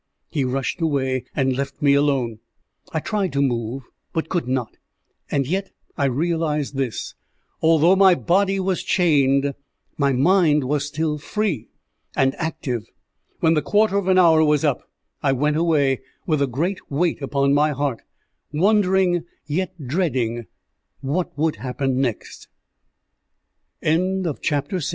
He rushed away, and left me alone. I tried to move, but could not; and yet I realized this although my body was chained, my mind was still free and active. When the quarter of an hour was up, I went away, with a great weight upon my heart, wondering, yet dreading, what would happen next. CHAPTER VII DREARWATE